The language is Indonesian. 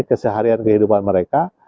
keseharian kehidupan mereka